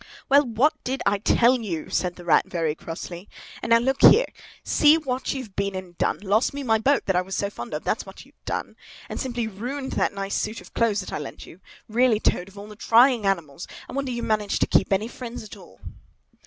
"Well, what did I tell you?" said the Rat very crossly. "And, now, look here! See what you've been and done! Lost me my boat that I was so fond of, that's what you've done! And simply ruined that nice suit of clothes that I lent you! Really, Toad, of all the trying animals—I wonder you manage to keep any friends at all!"